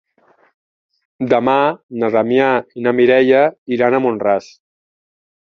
Demà na Damià i na Mireia iran a Mont-ras.